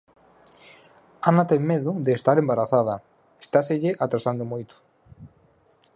Ana ten medo de estar embarazada: estáselle atrasando moito.